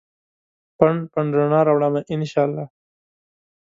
پنډ ، پنډ رڼا راوړمه ا ن شا الله